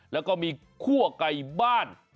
แล้วก็มีคั่วไก่บ้าน